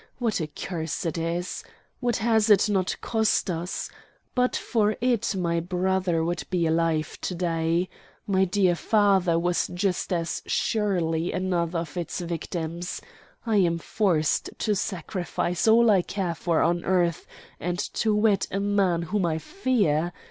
What a curse it is! What has it not cost us? But for it my brother would be alive to day. My dear father was just as surely another of its victims. I am forced to sacrifice all I care for on earth and to wed a man whom I fear.